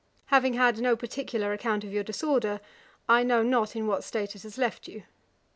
'Having had no particular account of your disorder, I know not in what state it has left you.